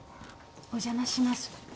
お邪魔します。